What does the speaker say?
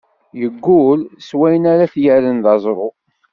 Iggul s wayen ar ad t-yerren d aẓru.